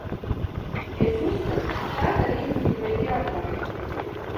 Es uzskatu, ka šāda rīcība ir jāpārtrauc.